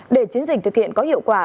để chiến dịch thực hiện có hiệu quả